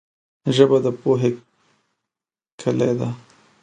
ژبه د پوهې کلي ده